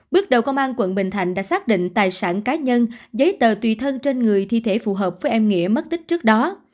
bước đầu công an quận bình thạnh đã xác định tài sản cá nhân giấy tờ tùy thân trên người thi thể phù hợp với em nghĩa mất tích trước đó